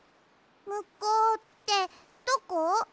むこうってどこ？